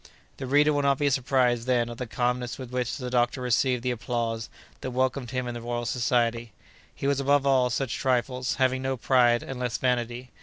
The reader will not be surprised, then, at the calmness with which the doctor received the applause that welcomed him in the Royal Society. He was above all such trifles, having no pride, and less vanity.